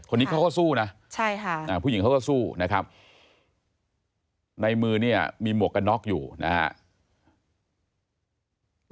คนนี้เขาก็สู้นะใช่ค่ะผู้หญิงเขาก็สู้นะครับในมือเนี่ยมีหมวกกันน็อกอยู่นะครับ